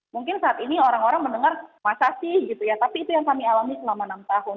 mungkin saat ini orang orang mendengar masa sih gitu ya tapi itu yang kami alami selama enam tahun